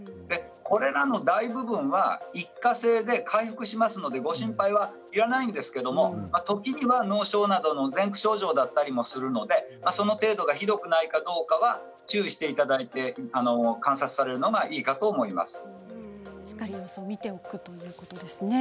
これらの大部分は一過性で回復しますのでご心配はいらないんですけれども時には脳症などの前駆症状だったりするのでその程度がひどくないかどうかは注意していただいてしっかり様子を見ておくということですね。